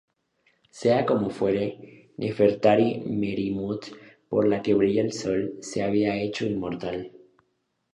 Sea como fuere, Nefertari-Meryetmut, por la que brilla el Sol, se había hecho inmortal.